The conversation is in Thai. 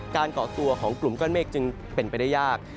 ก่อตัวของกลุ่มก้อนเมฆจึงเป็นไปได้ยาก